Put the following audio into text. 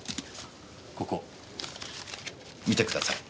ここ見てください。